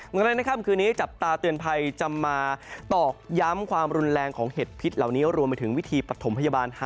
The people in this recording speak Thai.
ดังนั้นในค่ำคืนนี้จับตาเตือนภัยจะมาตอกย้ำความรุนแรงของเห็ดพิษเหล่านี้รวมไปถึงวิธีปฐมพยาบาล